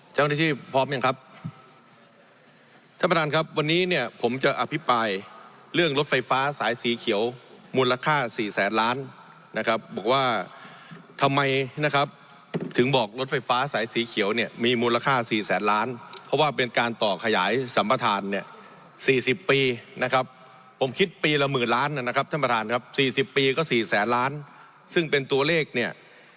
เจ้าหน้าที่พร้อมยังครับท่านประธานครับวันนี้เนี่ยผมจะอภิปรายเรื่องรถไฟฟ้าสายสีเขียวมูลค่าสี่แสนล้านนะครับบอกว่าทำไมนะครับถึงบอกรถไฟฟ้าสายสีเขียวเนี่ยมีมูลค่าสี่แสนล้านเพราะว่าเป็นการต่อขยายสัมปทานเนี่ย๔๐ปีนะครับผมคิดปีละหมื่นล้านนะครับท่านประธานครับสี่สิบปีก็๔แสนล้านซึ่งเป็นตัวเลขเนี่ย